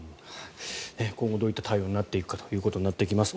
今後どういった対応になっていくかということになっていきます。